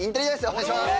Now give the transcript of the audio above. お願いします